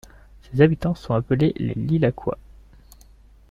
Ses habitants sont appelés les Lilhacois.